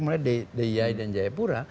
mulai diyai dan jayapura